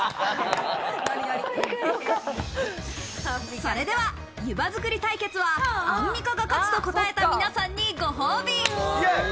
それでは、ゆば作り対決はアンミカが勝つと答えた皆さんに、ご褒美。